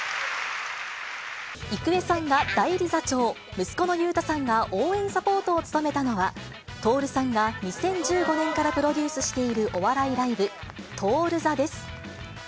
郁恵さんが代理座長、息子の裕太さんが応援サポートを務めたのは、徹さんが２０１５年からプロデュースしているお笑いライブ、徹座です。